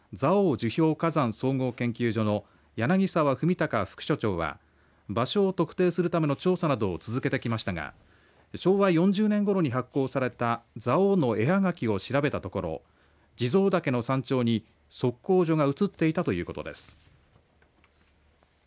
樹氷火山総合研究所の柳澤文孝副所長は場所を特定するための調査などを続けてきましたが昭和４０年ごろに発行された蔵王の絵はがきを調べたところ地蔵岳の山頂に測候所が写っていたということです。